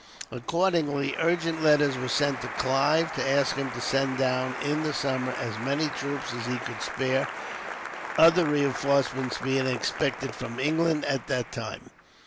Accordingly, urgent letters were sent to Clive to ask him to send down, in the summer, as many troops as he could spare, other reinforcements being expected from England at that time.